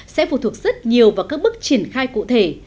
sẽ phụ thuộc rất nhiều vào các bước triển khai cụ thể